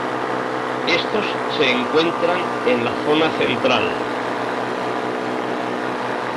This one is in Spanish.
Estos se encuentran en la Zona Central.